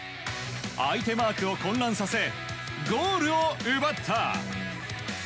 相手マークを混乱させゴールを奪った。